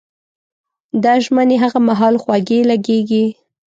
دا ژمنې هغه مهال خوږې لګېږي.